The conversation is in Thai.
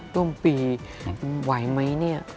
ต้นปีไหวไหมเนี่ย